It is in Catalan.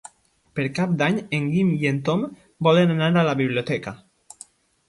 Per Cap d'Any en Guim i en Tom volen anar a la biblioteca.